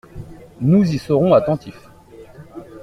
Nous y serons attentifs.